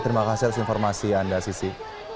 terima kasih atas informasi anda sisi